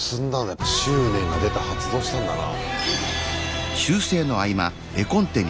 やっぱ執念が出た発動したんだな。